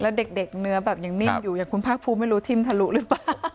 แล้วเด็กเนื้อแบบยังนิ่มอยู่อย่างคุณภาคภูมิไม่รู้ทิ่มทะลุหรือเปล่า